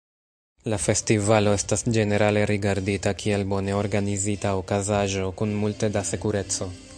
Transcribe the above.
La festivalo estas ĝenerale rigardita kiel bone organizita okazaĵo, kun multe da sekureco.